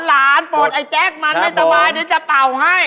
หัวหลานปรวดไอ้แจ๊กมันสไตรสไตรจะเป่าให้